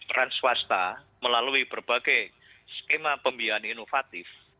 peran swasta melalui berbagai skema pembiayaan inovatif